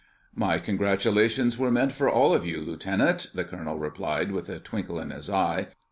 "My congratulations were meant for all of you, Lieutenant," the colonel replied with a twinkle in his eye.